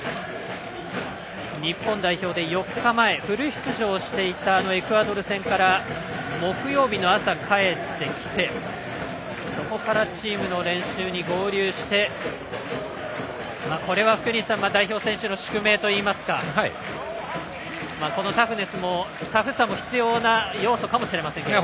日本代表で４日前、フル出場していたエクアドル戦から木曜日の朝に帰ってきてそこからチームの練習に合流してこれは福西さん代表選手の宿命といいますかタフさも必要な要素かもしれませんね。